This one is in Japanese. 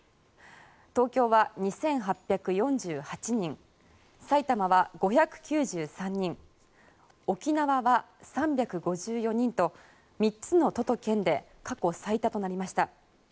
東京は２８４８人埼玉は５９３人沖縄は３５４人と３つの都と県で過去最多となりました。